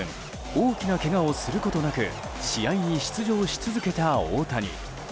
大きなけがをすることなく試合に出場し続けた大谷。